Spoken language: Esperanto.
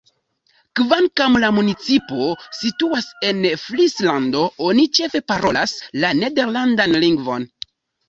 Kvankam la municipo situas en Frislando, oni ĉefe parolas la nederlandan lingvon.